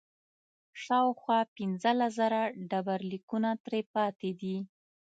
شاوخوا پنځلس زره ډبرلیکونه ترې پاتې دي